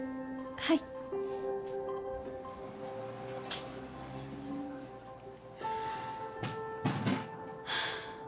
はいはあ